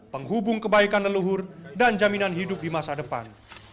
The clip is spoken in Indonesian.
penghubung kebaikan leluhur dan jaminan hidup di masa depan